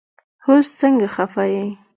هوس سنګه خفه يي